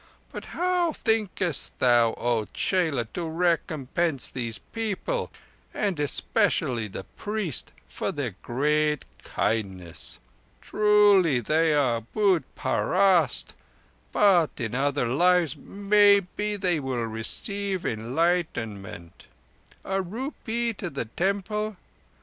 But how thinkest thou, chela, to recompense these people, and especially the priest, for their great kindness? Truly they are būt parast, but in other lives, maybe, they will receive enlightenment. A rupee to the temple?